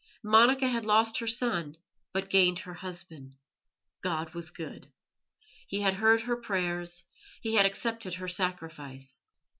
Monica had lost her son, but gained her husband. God was good. He had heard her prayers, He had accepted her sacrifice.